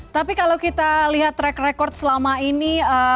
tapi kalau kita lihat track record selama ini